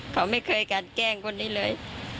เขาไม่เคยกันแกล้งคนนี้เลย